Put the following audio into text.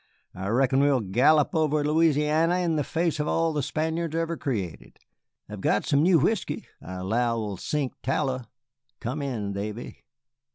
I reckon we'll gallop over Louisiany in the face of all the Spaniards ever created. I've got some new whiskey I 'low will sink tallow. Come in, Davy."